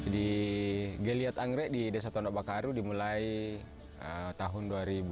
di geliat anggrek di desa tondok bakaru dimulai tahun dua ribu dua